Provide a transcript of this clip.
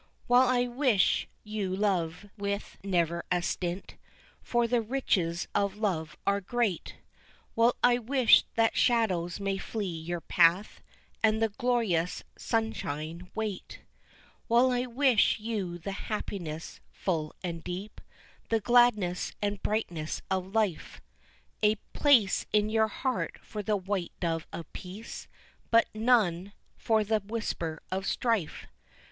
While I wish you love with never a stint, For the riches of love are great While I wish that shadows may flee your path, And the glorious sunshine wait, While I wish you the happiness, full and deep, The gladness and brightness of life, A place in your heart for the white dove of peace, But none for the whisper of strife.